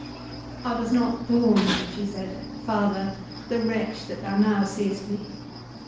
"I was not born," she said, "father, the wretch that thou now seest me.